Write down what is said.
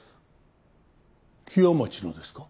木屋町のですか？